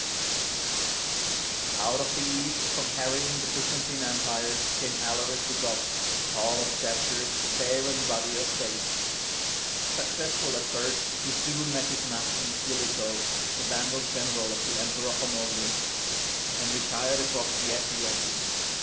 ST. BENEDICT 15 Out of the East, from harrying the B^^zan tine Empire, came Alaric the Goth, tall of stature, fair and ruddy of face. Successful at first, he soon met his match in Stilicho, the Vandal general of the Emperor Honorius, and retired across the Adriatic.